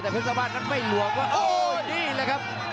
แต่เพชรชาวบ้านนั้นไม่หลวกว่าโอ้นี่แหละครับ